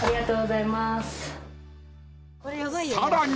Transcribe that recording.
［さらに］